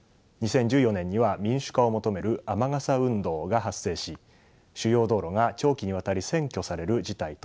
２０１４年には民主化を求める雨傘運動が発生し主要道路が長期にわたり占拠される事態となりました。